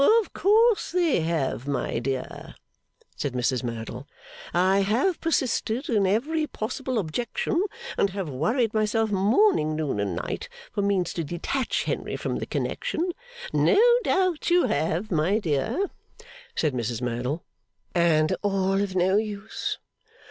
'Of course they have, my dear,' said Mrs Merdle. 'I have persisted in every possible objection, and have worried myself morning, noon, and night, for means to detach Henry from the connection.' 'No doubt you have, my dear,' said Mrs Merdle. 'And all of no use.